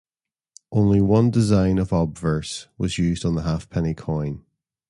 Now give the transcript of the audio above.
Only one design of obverse was used on the halfpenny coin.